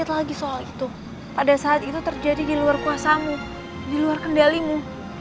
soal itu pada saat itu terjadi di luar kuasamu di luar kendalimu